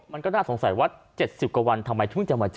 มันก็น่าสงสัยว่า๗๐กว่าวันทำไมเพิ่งจะมาเจอ